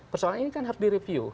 persoalan ini kan harus direview